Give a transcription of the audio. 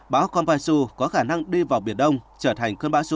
báo kompassu có khả năng đi vào biển đông trở thành cơn bão số tám